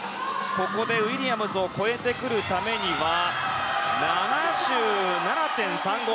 ここでウィリアムズを超えてくるためには７７．３５。